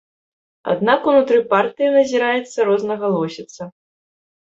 Аднак ўнутры партыі назіраецца рознагалосіца.